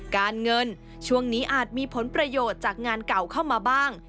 การเงินช่วงนี้อาจมีผลประโยชน์จากงานเก่าเข้ามาบ้าง